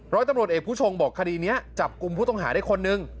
ร้อยตำรวจเอกผู้ชงบอกคดีนี้จับกลุ่มผู้ต้องหาได้คนนึง